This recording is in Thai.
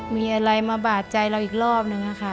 มีอะไรมาบาดใจเราอีกรอบนึงค่ะ